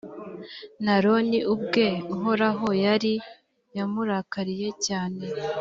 n’aroni ubwe uhoraho yari yamurakariye cyane,